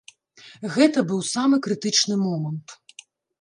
Гэта быў самы крытычны момант.